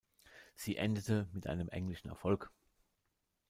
Sie endete mit einem englischen Erfolg.